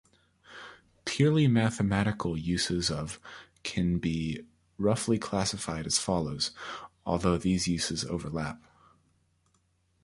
Purely mathematical uses of can be roughly classified as follows, although these uses overlap.